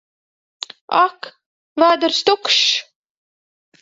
Ak! Vēders tukšs!